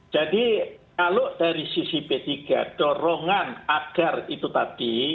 jadi kalau dari sisi b tiga dorongan agar itu tadi